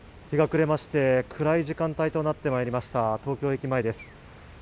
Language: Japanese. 日が暮れまして暗い時間帯となってまいりました、東京駅前です。